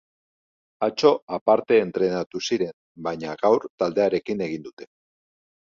Atzo aparte entrenatu ziren, baina gaur taldearekin egin dute.